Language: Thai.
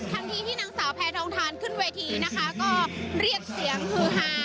ทันทีที่นางสาวแพทองทานขึ้นเวทีนะคะก็เรียกเสียงฮือฮา